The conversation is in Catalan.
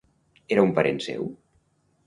Era un parent seu?